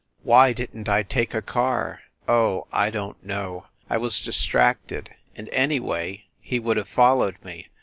Why didn t I take a car? Oh, I don t know! I was distracted ... and, anyway, he would have followed me.